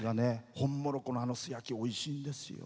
ホンモロコの素焼きおいしいんですよ。